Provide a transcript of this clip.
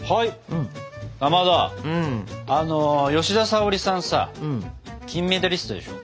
かまど吉田沙保里さんさ金メダリストでしょ？